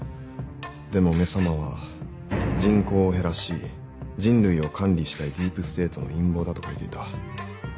でも「め様」は「人口を減らし人類を管理したいディープステートの陰謀だ」と書いていた。